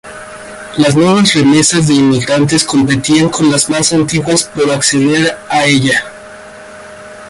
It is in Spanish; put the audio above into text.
Las nuevas remesas de inmigrantes competían con las más antiguas por acceder a ella.